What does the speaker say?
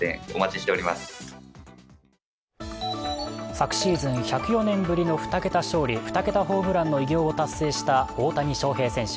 昨シーズン１０４年ぶりの２桁勝利・２桁ホームランの偉業を達成した大谷翔平選手。